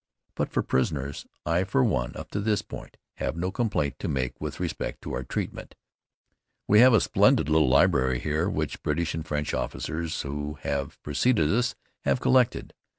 But for prisoners, I for one, up to this point, have no complaint to make with respect to our treatment. We have a splendid little library here which British and French officers who have preceded us have collected.